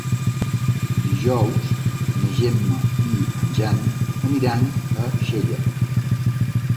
Dijous na Gemma i en Jan aniran a Xella.